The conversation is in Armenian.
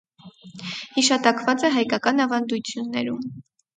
Հիշատակված է հայկական ավանդություններում։